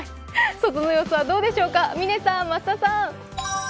外の様子はどうでしょうか、嶺さん、増田さん。